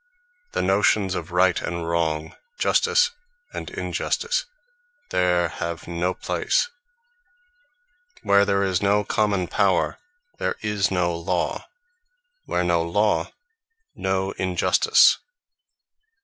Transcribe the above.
The notions of Right and Wrong, Justice and Injustice have there no place. Where there is no common Power, there is no Law: where no Law, no Injustice.